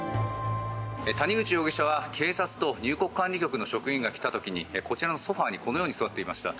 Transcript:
谷口容疑者は警察と入国管理局の職員が来た時にこちらのソファにこのように座っていました。